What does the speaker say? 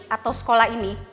atau sekolah ini